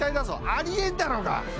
ありえんだろうが。